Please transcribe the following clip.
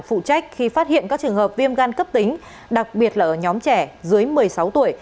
phụ trách khi phát hiện các trường hợp viêm gan cấp tính đặc biệt là ở nhóm trẻ dưới một mươi sáu tuổi